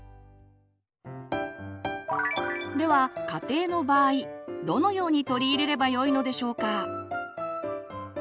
では家庭の場合どのように取り入れればよいのでしょうか？